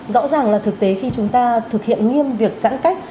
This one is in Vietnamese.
rõ ràng là thực tế khi chúng ta thực hiện nghiêm việc giãn cách